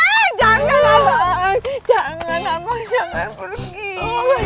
jangan abang jangan abang jangan pergi